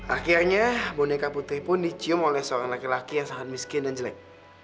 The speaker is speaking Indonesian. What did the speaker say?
akhirnya boneka putih pun dicium oleh seorang laki laki yang sangat miskin dan jelek